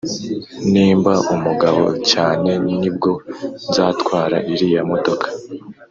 Nimba umugabo cyane nibwo nzatwara iriya modoka